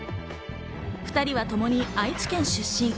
２人はともに愛知県出身。